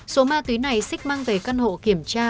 số ma tuy này sik mang về căn hộ kiểm tra